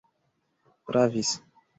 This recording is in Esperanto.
pravis